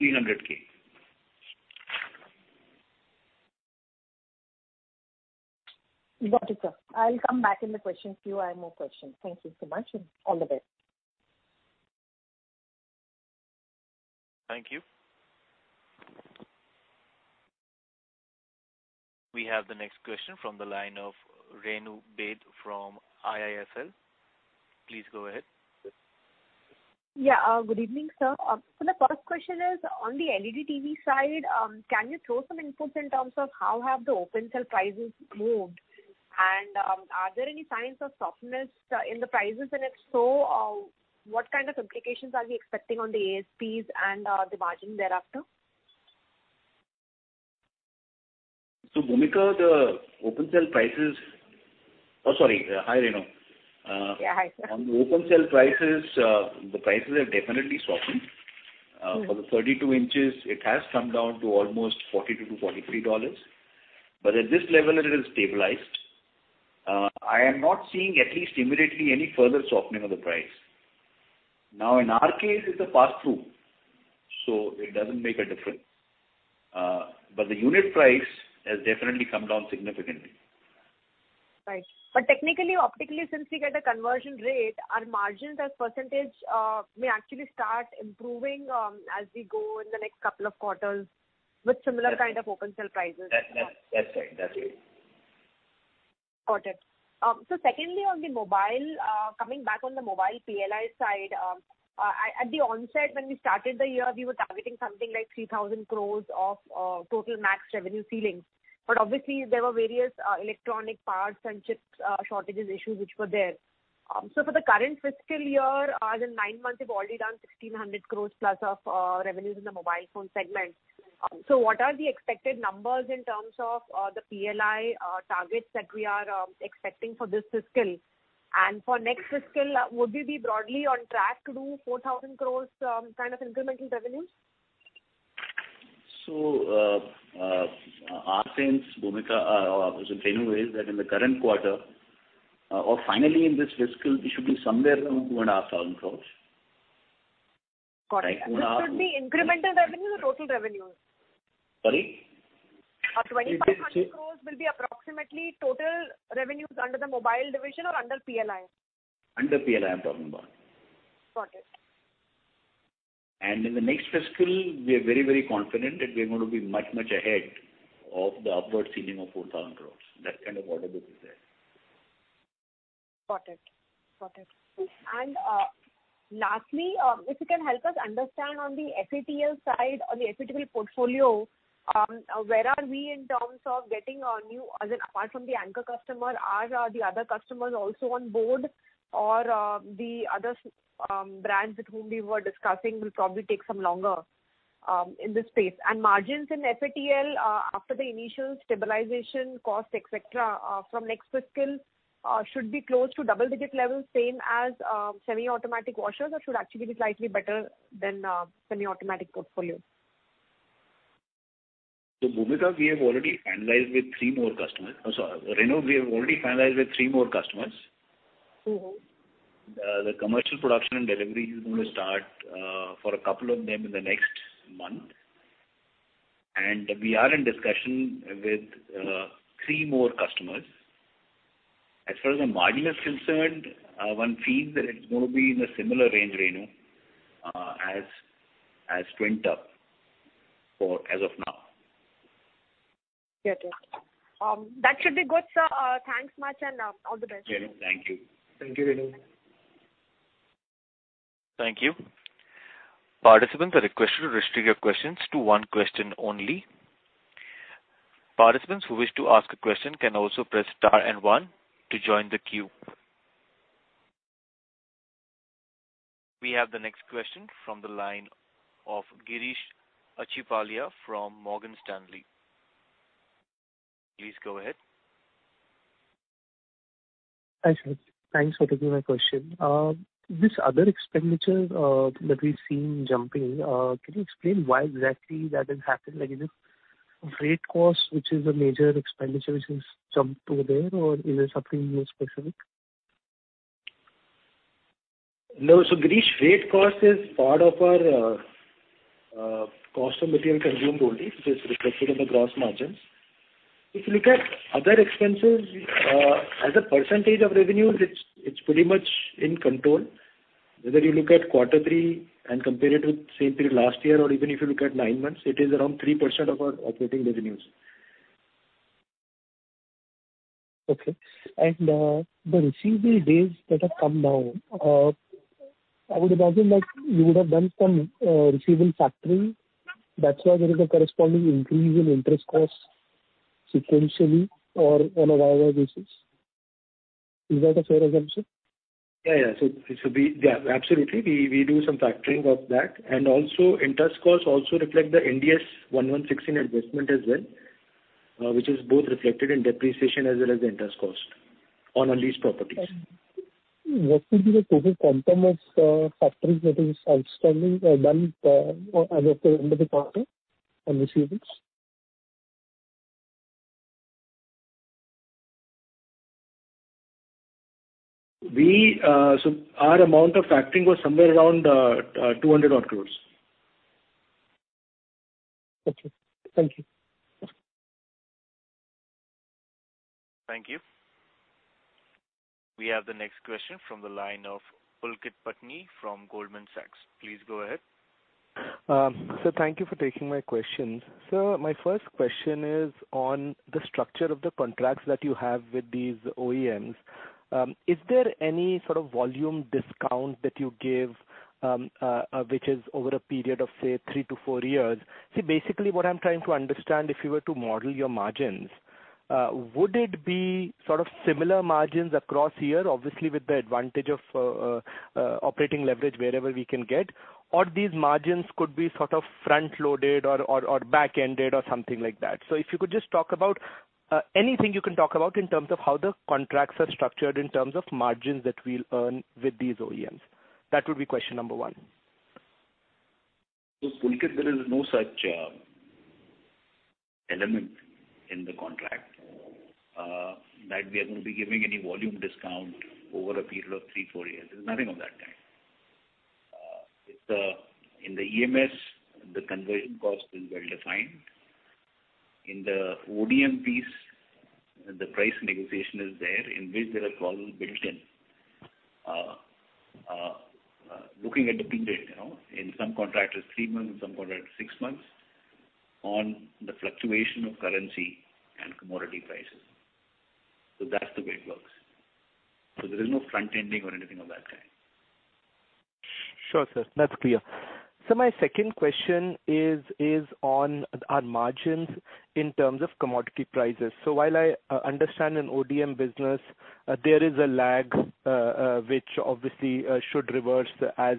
S2: 300 thousand.
S6: Got it, sir. I'll come back in the questions queue. I have more questions. Thank you so much and all the best.
S1: Thank you. We have the next question from the line of Renu Baid from IIFL. Please go ahead.
S7: Yeah. Good evening, sir. The first question is on the LED TV side, can you throw some inputs in terms of how have the open cell prices moved? And, are there any signs of softness, in the prices? And if so, what kind of implications are we expecting on the ASPs and, the margin thereafter?
S2: Oh, sorry. Hi, Renu.
S7: Yeah. Hi, sir.
S2: On the open cell prices, the prices have definitely softened.
S7: Mm-hmm.
S2: For the 32 inches, it has come down to almost $42 to 43. At this level it has stabilized. I am not seeing at least immediately any further softening of the price. Now, in our case it's a pass-through, so it doesn't make a difference. The unit price has definitely come down significantly.
S7: Right. Technically, optically, since we get a conversion rate, our margins as percentage may actually start improving as we go in the next couple of quarters with similar kind of open cell prices.
S2: That's right. That's it.
S7: Got it. Secondly, on the mobile, coming back on the mobile PLI side, at the onset when we started the year, we were targeting something like 3,000 crores of total max revenue ceilings. Obviously there were various electronic parts and chips shortages issues which were there. For the current fiscal year, the nine months, we've already done 1,600 crores plus of revenues in the mobile phone segment. What are the expected numbers in terms of the PLI targets that we are expecting for this fiscal? For next fiscal, would we be broadly on track to do 4,000 crores kind of incremental revenues?
S2: Our sense, Bhoomika, or sorry Renu, is that in the current quarter, or finally in this fiscal, we should be somewhere around 2,500 crore.
S7: Got it. This would be incremental revenue or total revenue?
S2: Sorry.
S7: 2,500 crores will be approximately total revenues under the mobile division or under PLI?
S2: Under PLI I'm talking about.
S7: Got it.
S2: In the next fiscal we are very, very confident that we're going to be much, much ahead of the upward ceiling of 4,000 crores. That kind of order book is there.
S7: Got it. Lastly, if you can help us understand on the FATL side or the FATL portfolio, where are we in terms of getting our new. Apart from the anchor customer, are the other customers also on board or the other brands with whom we were discussing will probably take some longer in this space? Margins in FATL, after the initial stabilization cost, et cetera, from next fiscal, should be close to double-digit levels, same as semi-automatic washers or should actually be slightly better than semi-automatic portfolio?
S2: Bhumika, we have already finalized with three more customers. I'm sorry, Renu, we have already finalized with three more customers.
S7: Mm-hmm.
S2: The commercial production and delivery is gonna start for a couple of them in the next month. We are in discussion with three more customers. As far as the margin is concerned, one feels that it's going to be in a similar range, Renu, as Twin Tub for as of now.
S7: Get it. That should be good, sir. Thanks much, and all the best.
S2: Renu, thank you.
S3: Thank you, Renu.
S1: Thank you. Participants are requested to restrict your questions to one question only. Participants who wish to ask a question can also press star and one to join the queue. We have the next question from the line of Girish Achhipalia from Morgan Stanley. Please go ahead.
S8: Hi, sir. Thanks for taking my question. This other expenditure that we've seen jumping, can you explain why exactly that has happened? Like, is it freight cost, which is a major expenditure which has jumped over there, or is it something more specific?
S3: No. Girish, freight cost is part of our cost of material consumed only, which is reflected in the gross margins. If you look at other expenses as a percentage of revenues, it's pretty much in control. Whether you look at quarter three and compare it with same period last year or even if you look at nine months, it is around 3% of our operating revenues.
S8: Okay. The receivable days that have come down, I would imagine that you would have done some receivable factoring. That's why there is a corresponding increase in interest costs sequentially or on a Y-o-Y basis. Is that a fair assumption?
S3: Yeah, absolutely. We do some factoring of that. Interest costs also reflect the Ind AS 116 investment as well, which is both reflected in depreciation as well as the interest cost on our leased properties.
S8: What could be the total quantum of factoring that is outstanding or done as of end of the quarter on receivables?
S3: Our amount of factoring was somewhere around 200-odd crore.
S8: Okay. Thank you.
S1: Thank you. We have the next question from the line of Pulkit Patni from Goldman Sachs. Please go ahead.
S9: Sir, thank you for taking my questions. Sir, my first question is on the structure of the contracts that you have with these OEMs. Is there any sort of volume discount that you give, which is over a period of, say, three to four years? See, basically what I'm trying to understand, if you were to model your margins, would it be sort of similar margins across year, obviously with the advantage of operating leverage wherever we can get, or these margins could be sort of front-loaded or back-ended or something like that. If you could just talk about anything you can talk about in terms of how the contracts are structured in terms of margins that we'll earn with these OEMs. That would be question number one.
S2: Pulkit, there is no such element in the contract that we are gonna be giving any volume discount over a period of three to four years. There's nothing of that kind. It's in the EMS, the conversion cost is well-defined. In the ODM piece, the price negotiation is there, in which there are clauses built in looking at the period, you know. In some contract it's three months, in some contract it's six months, on the fluctuation of currency and commodity prices. That's the way it works. There is no front-ending or anything of that kind.
S9: Sure, sir. That's clear. My second question is on our margins in terms of commodity prices. While I understand in ODM business, there is a lag, which obviously should reverse as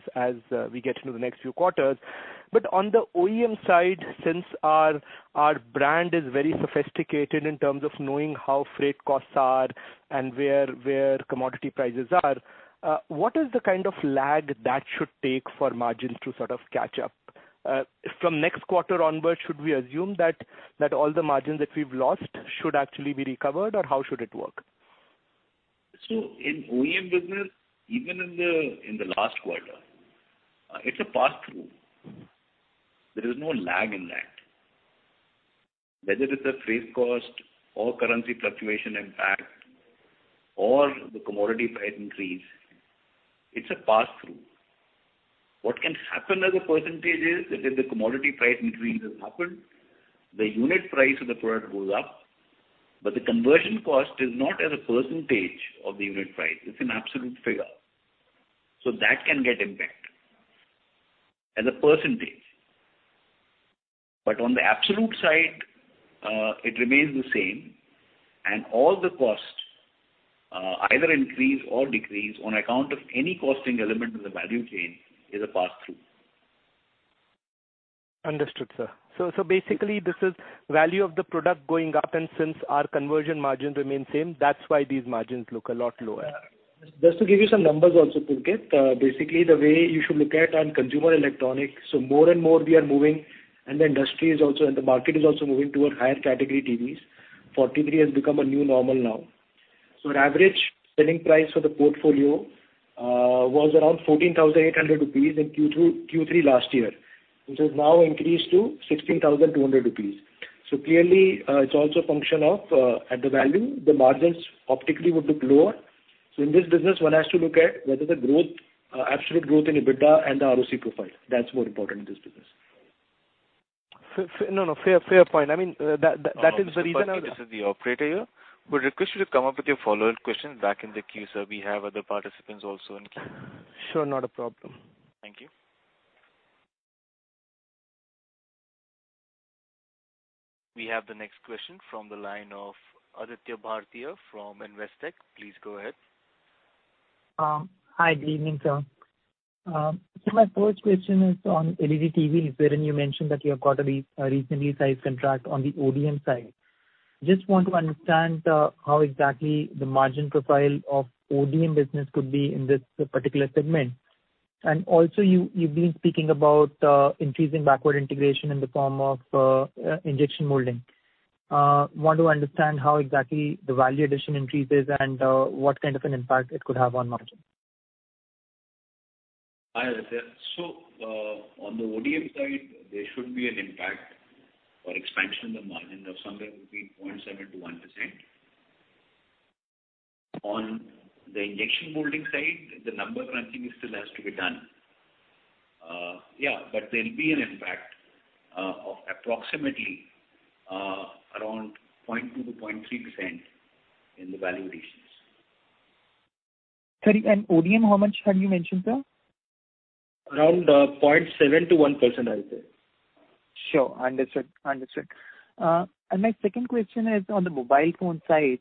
S9: we get into the next few quarters. But on the OEM side, since our brand is very sophisticated in terms of knowing how freight costs are and where commodity prices are, what is the kind of lag that should take for margins to sort of catch up? From next quarter onward, should we assume that all the margins that we've lost should actually be recovered, or how should it work?
S2: In OEM business, even in the last quarter, it's a pass-through. There is no lag in that. Whether it's a freight cost or currency fluctuation impact or the commodity price increase, it's a pass-through. What can happen as a percentage is that if the commodity price increase has happened, the unit price of the product goes up, but the conversion cost is not as a percentage of the unit price. It's an absolute figure. That can get impact as a percentage. On the absolute side, it remains the same and all the cost either increase or decrease on account of any costing element in the value chain is a pass-through.
S9: Understood, sir. Basically, this is value of the product going up, and since our conversion margins remain same, that's why these margins look a lot lower.
S3: Just to give you some numbers also, Pulkit. Basically, the way you should look at on consumer electronics, more and more we are moving, and the industry is also, and the market is also moving toward higher category TVs. 43 has become a new normal now. Our average selling price for the portfolio was around 14,800 rupees in Q2 to Q3 last year, which has now increased to 16,200 rupees. Clearly, it's also a function of at the value, the margins optically would look lower. In this business, one has to look at whether the growth, absolute growth in EBITDA and the ROC profile. That's more important in this business.
S9: No, fair point. I mean, that is the reason I wa-
S1: Mr. Pulkit, this is the operator here. We request you to come up with your follow-up question back in the queue, sir. We have other participants also in queue.
S9: Sure. Not a problem.
S1: Thank you. We have the next question from the line of Aditya Bhartia from Investec. Please go ahead.
S10: Hi. Good evening, sir. My first question is on LED TV wherein you mentioned that you have got a recently sized contract on the ODM side. Just want to understand how exactly the margin profile of ODM business could be in this particular segment. You’ve been speaking about increasing backward integration in the form of injection molding. Want to understand how exactly the value addition increases and what kind of an impact it could have on margin.
S2: Hi, Aditya. On the ODM side, there should be an impact or expansion in the margin of somewhere between 0.7% to 1%. On the injection molding side, the number crunching still has to be done. There'll be an impact of approximately around 0.2% to 0.3% in the value additions.
S10: Sorry, ODM, how much had you mentioned, sir?
S3: Around 0.7%-1% I'd say.
S10: Sure. Understood. My second question is on the mobile phone side,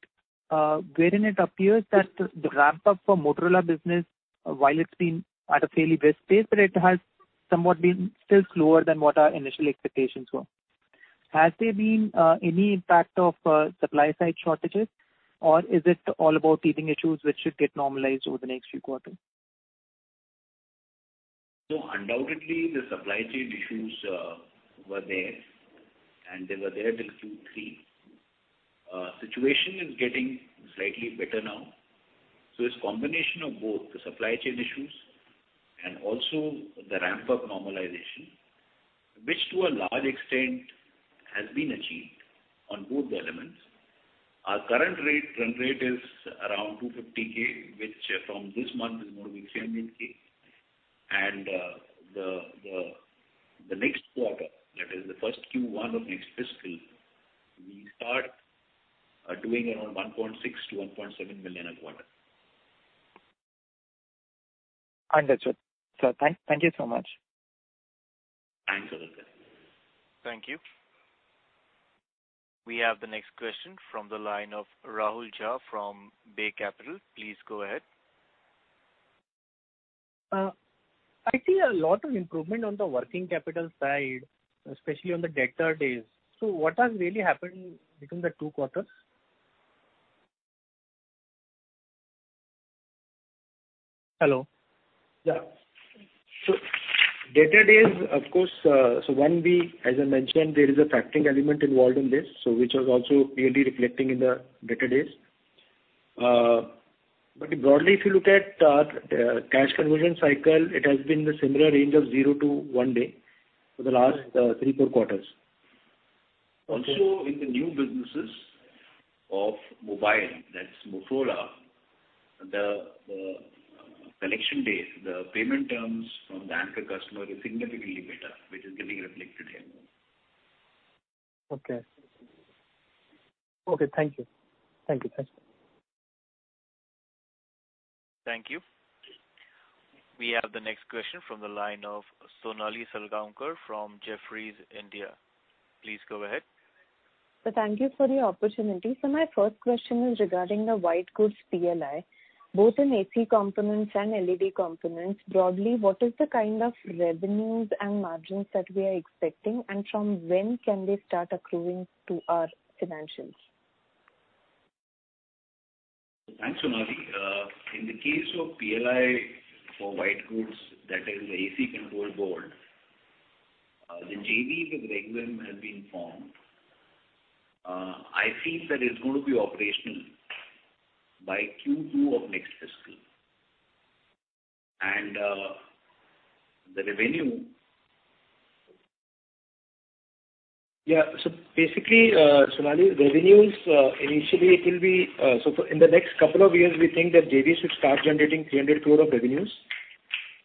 S10: wherein it appears that the ramp-up for Motorola business, while it's been at a fairly best pace, but it has somewhat been still slower than what our initial expectations were. Has there been any impact of supply side shortages or is it all about teething issues which should get normalized over the next few quarters?
S2: Undoubtedly the supply chain issues were there and they were there till Q3. Situation is getting slightly better now. It's combination of both the supply chain issues and also the ramp-up normalization, which to a large extent has been achieved on both the elements. Our current rate, run rate is around 250K, which from this month will be 700 K. The next quarter, that is the first Q1 of next fiscal, we start doing around 1.6 to .7 million a quarter.
S10: Understood. Sir, thank you so much.
S2: Thanks, Aditya.
S1: Thank you. We have the next question from the line of Rahul Jha from Bay Capital. Please go ahead.
S11: I see a lot of improvement on the working capital side, especially on the debtor days. What has really happened between the two quarters? Hello?
S3: Yeah. Debtor days, of course, as I mentioned, there is a factoring element involved in this, so which was also clearly reflecting in the debtor days. Broadly, if you look at cash conversion cycle, it has been in a similar range of 0-day for the last three to four quarters.
S2: Also in the new businesses of mobile, that's Motorola, the collection days, the payment terms from the anchor customer is significantly better, which is getting reflected here.
S11: Okay. Thank you. Thanks.
S1: Thank you. We have the next question from the line of Sonali Salgaonkar from Jefferies India. Please go ahead.
S12: Sir, thank you for the opportunity. My first question is regarding the white goods PLI, both in AC components and LED components. Broadly, what is the kind of revenues and margins that we are expecting and from when can they start accruing to our financials?
S2: Thanks, Sonali. In the case of PLI for white goods, that is the AC control board, the JV with Rexxam has been formed. I feel that it's going to be operational by Q2 of next fiscal. The revenue...
S3: Basically, Sonali, revenues initially, it will be in the next couple of years. We think that JVs should start generating 300 crore of revenues.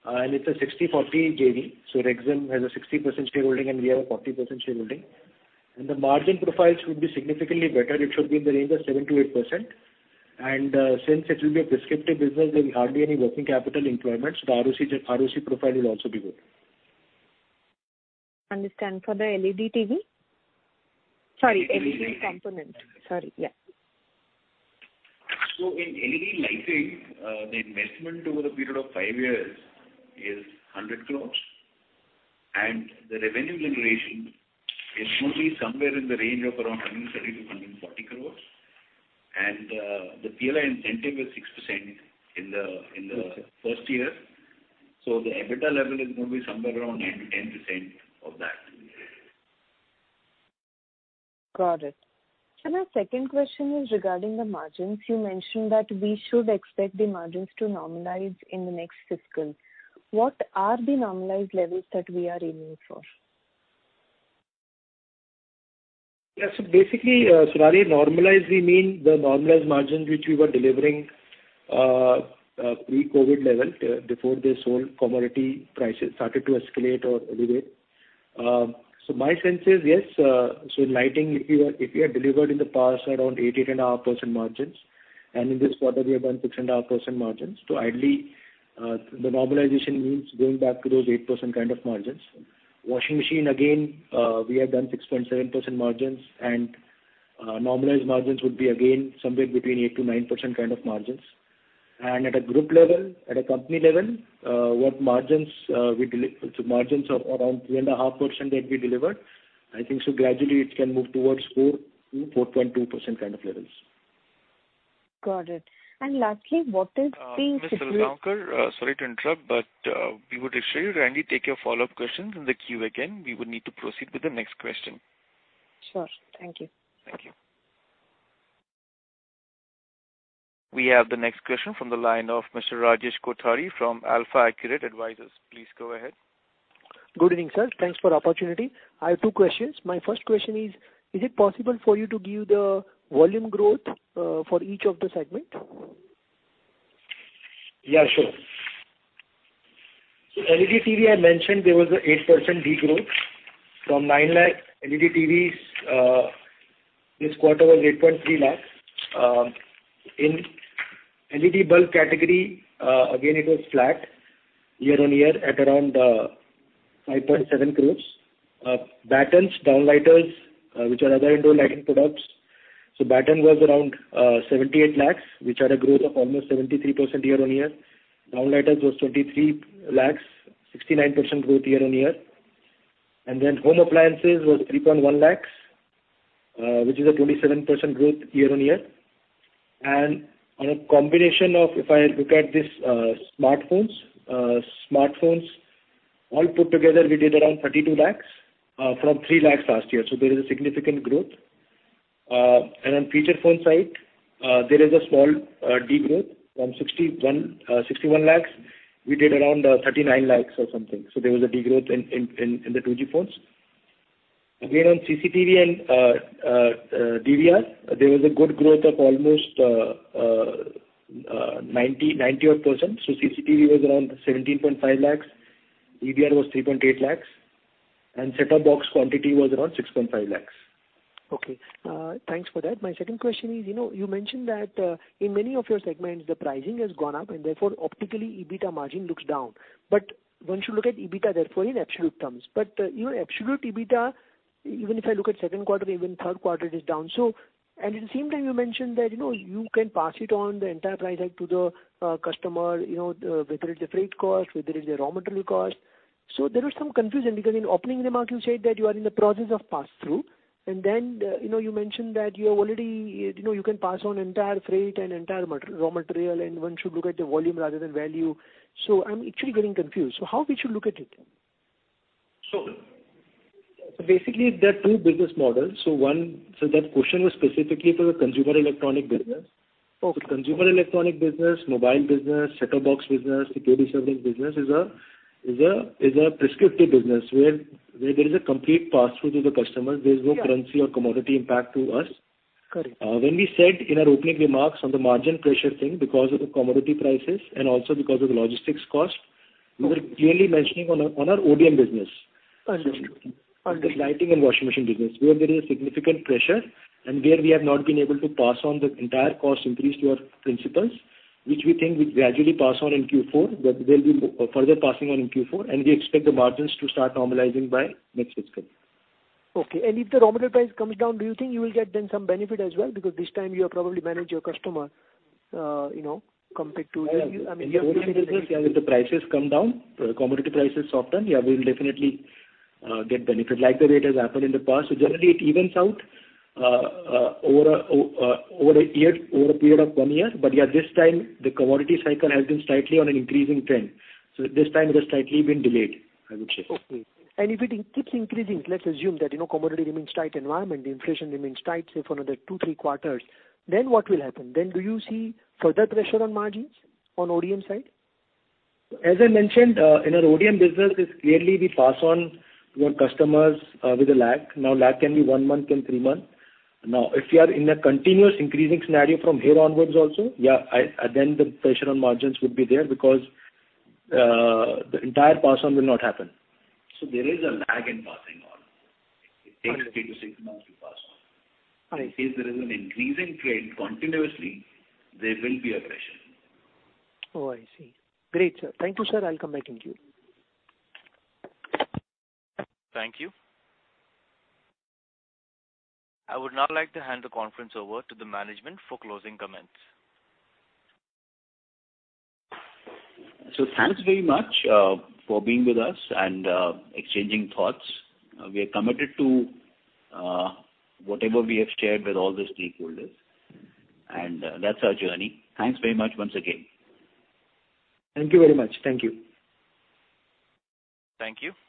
S3: It's a 60/40 JV, so Rexxam has a 60% shareholding and we have a 40% shareholding. The margin profiles should be significantly better. It should be in the range of 7%-8%. Since it will be a prescriptive business, there'll be hardly any working capital employments. The ROC profile will also be good.
S12: LED component. Yeah.
S2: In LED lighting, the investment over a period of five years is 100 crore. The revenue generation is mostly somewhere in the range of around 130 crore-140 crore. The PLI incentive is 6% in the first year. The EBITDA level is gonna be somewhere around 9% to 10% of that.
S12: Got it. Our second question is regarding the margins. You mentioned that we should expect the margins to normalize in the next fiscal. What are the normalized levels that we are aiming for?
S3: Yes. Basically, Sonali, normalized, we mean the normalized margins, which we were delivering, pre-COVID level, before this whole commodity prices started to escalate or elevate. My sense is, yes, in lighting, if we have delivered in the past around 8.5% margins, and in this quarter we have done 6.5% margins. Ideally, the normalization means going back to those 8% kind of margins. Washing machine again, we have done 6.7% margins, and normalized margins would be again somewhere between 8% to 9% kind of margins. At a group level, at a company level, margins of around 3.5% that we delivered, I think so gradually it can move towards 4% to 4.2% kind of levels.
S12: Got it. Lastly, what is the?
S1: Ms. Salgaonkar, sorry to interrupt, but we would assure you kindly take your follow-up questions in the queue again. We would need to proceed with the next question.
S12: Sure. Thank you.
S1: Thank you. We have the next question from the line of Mr. Rajesh Kothari from AlfAccurate Advisors. Please go ahead.
S13: Good evening, sir. Thanks for opportunity. I have two questions. My first question is it possible for you to give the volume growth for each of the segments?
S3: Yeah, sure. LED TV, I mentioned there was 8% degrowth from 9 lakh. LED TVs, this quarter was 8.3 lakhs. In LED bulb category, again, it was flat year-on-year at around 5.7 crores. Battens, downlighters, which are other indoor lighting products. Batten was around 78 lakhs, which had a growth of almost 73% year-on-year. Downlighters was 23 lakhs, 69% growth year-on-year. Home appliances was 3.1 lakhs, which is 27% growth year-on-year. On a combination of, if I look at this, smartphones all put together, we did around 32 lakhs from 3 lakhs last year. There is a significant growth. Feature phone side, there is a small degrowth from 61 lakhs. We did around 39 lakhs or something. There was a degrowth in the 2G phones. Again, on CCTV and DVR, there was a good growth of almost 90 odd %. CCTV was around 17.5 lakhs. DVR was 3.8 lakhs. Set-top box quantity was around 6.5 lakhs.
S13: Okay. Thanks for that. My second question is, you know, you mentioned that, in many of your segments the pricing has gone up and therefore optically EBITDA margin looks down. One should look at EBITDA therefore in absolute terms. Your absolute EBITDA, even if I look at Q2, even Q3 it is down. At the same time you mentioned that, you know, you can pass it on the entire price hike to the, customer, you know, whether it's a freight cost, whether it's a raw material cost. There is some confusion because in opening remarks you said that you are in the process of pass-through. Then, you know, you mentioned that you have already, you know, you can pass on entire freight and entire raw material and one should look at the volume rather than value. I'm actually getting confused. How we should look at it?
S3: Basically there are two business models. One, that question was specifically for the consumer electronics business.
S13: Okay.
S3: Consumer electronic business, mobile business, set-top box business, security surveillance business is a prescriptive business where there is a complete pass-through to the customer.
S13: Yeah.
S3: There is no currency or commodity impact to us.
S13: Correct.
S3: When we said in our opening remarks on the margin pressure thing because of the commodity prices and also because of the logistics cost.
S13: Okay.
S3: We were clearly mentioning on our ODM business.
S13: Understood.
S3: The lighting and washing machine business, where there is a significant pressure and where we have not been able to pass on the entire cost increase to our principals, which we think we gradually pass on in Q4, but we'll be further passing on in Q4 and we expect the margins to start normalizing by next fiscal.
S13: Okay. If the raw material price comes down, do you think you will get then some benefit as well? Because this time you have probably managed your customer, you know, compared to-
S3: Yeah.
S13: I mean.
S3: In ODM business, yeah, if the prices come down, commodity prices soften, yeah, we'll definitely get benefit like the way it has happened in the past. Generally it evens out over a year, over a period of one year. Yeah, this time the commodity cycle has been slightly on an increasing trend. This time it has slightly been delayed, I would say.
S13: Okay. If it keeps increasing, let's assume that, you know, commodity remains tight environment, inflation remains tight say for another two to three quarters, then what will happen? Then do you see further pressure on margins on ODM side?
S3: As I mentioned, in our ODM business it's clearly we pass on to our customers, with a lag. Now lag can be one month, three months. Now if we are in a continuous increasing scenario from here onwards also, then the pressure on margins would be there because, the entire pass-on will not happen. There is a lag in passing on.
S13: Okay.
S3: It takes three to six months to pass on.
S13: All right.
S3: If there is an increasing trend continuously, there will be a pressure.
S13: Oh, I see. Great, sir. Thank you, sir. I'll come back in queue.
S1: Thank you. I would now like to hand the conference over to the management for closing comments.
S3: Thanks very much for being with us and exchanging thoughts. We are committed to whatever we have shared with all the stakeholders. That's our journey. Thanks very much once again.
S2: Thank you very much. Thank you.
S3: Thank you.